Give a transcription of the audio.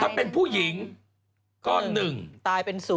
ถ้าเป็นผู้หญิงก็๑ตายเป็น๐